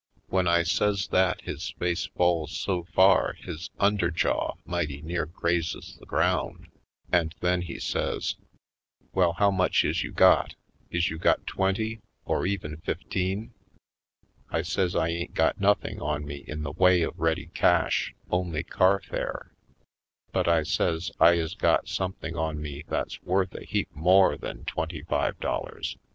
When I says that his face falls so far his under jaw mighty near grazes the ground, and then he says: "Well, how much is you got? Is you got twenty — or even fifteen?" I says I ain't got nothing on me in the way of ready cash, only carfare. But I says I is got something on me that's worth a heap more than twenty five dollars.